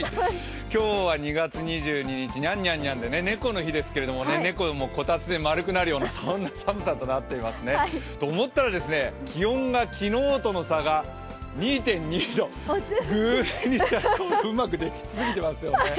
今日は２月２２日、にゃんにゃんにゃんで猫の日ですけれどもね、猫もこたつで丸くなるようなそんな寒さとなっていますね。と思ったら気温が昨日との差が２．２度、偶然にしちゃ、うまくできすぎてますよね。